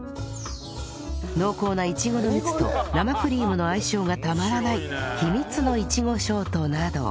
濃厚ないちごの蜜と生クリームの相性がたまらないひみつのいちごショートなど